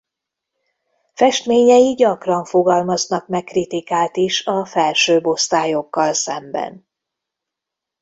Festményei gyakran fogalmaznak meg kritikát is a felsőbb osztályokkal szemben.